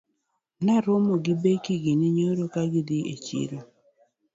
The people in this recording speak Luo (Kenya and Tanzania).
Na romo gi Becky gini nyoro ka gidhii e chiro